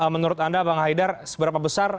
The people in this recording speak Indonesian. menurut anda bang al haydar seberapa besar